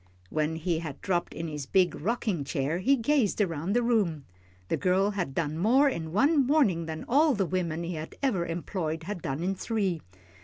When he had dropped in his big rocking chair, he gazed around the room. The girl had done more in one morning than all the women he had ever employed had done in three.